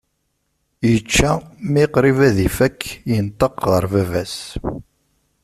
Yečča, mi qrib ad ifak, yenṭeq ɣer baba-s.